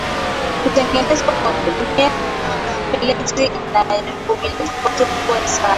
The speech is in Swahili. kutengenezwa kwa kutumia feleji inayovumilia tofauti kubwa za